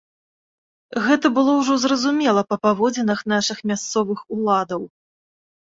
Гэта было ўжо зразумела па паводзінах нашых мясцовых уладаў.